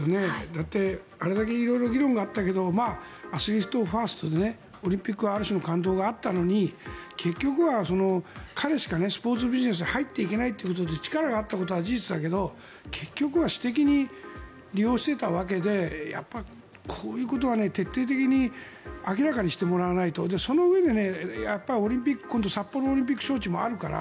だって、あれだけ色々議論があったけどアスリートファーストでオリンピックはある種の感動があったのに彼しかスポーツビジネスに入っていけないということで力があったことは事実だけれど結局は私的に利用していたわけでやっぱり、こういうことは徹底的に明らかにしてもらわないとそのうえでオリンピック今度、札幌オリンピック招致もあるから